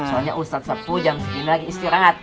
soalnya ustadz sapu jam segini lagi istirahat